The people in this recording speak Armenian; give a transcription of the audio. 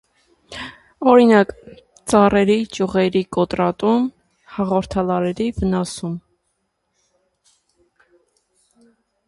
Օրինակ, ծառերի ճյուղերի կոտրատում, հաղորդալարերի վնասում։